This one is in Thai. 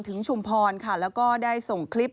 ถึงชุมพรและก็ได้ส่งคลิป